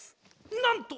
なんと！